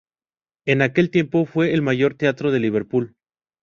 En aquel tiempo fue el mayor teatro de Liverpool.